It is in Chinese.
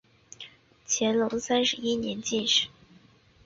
乾隆三十一年进士。